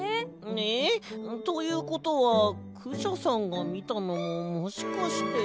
ええ！ということはクシャさんがみたのももしかして。